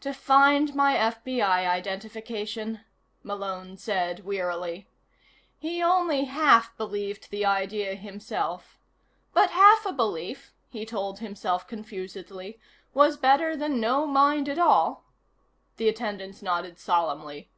"To find my FBI identification," Malone said wearily. He only half believed the idea himself, but half a belief, he told himself confusedly, was better than no mind at all. The attendants nodded solemnly.